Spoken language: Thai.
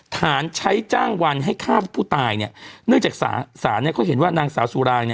ฐานใช้จ้างวันให้ฆ่าผู้ตายเนื่องจากสารเขาเห็นว่านางสาวสุราง